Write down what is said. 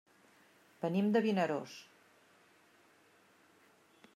Venim de Vinaròs.